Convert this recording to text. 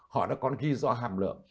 họ đã còn ghi do hàm lượng